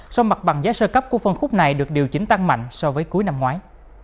song mặt bằng giá sơ cấp của phân khúc này được điều chỉnh tăng mạnh so với cuối năm ngoái